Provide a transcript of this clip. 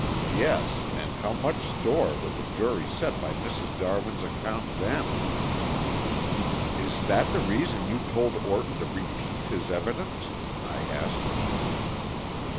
Yes, and how much store would the jury set by Mrs. Darwin's account then?" "Is that the reason you told Orton to repeat his evidence?" I asked.